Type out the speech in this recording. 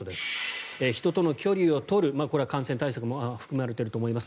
人との距離を取るこれは感染対策も含まれていると思います。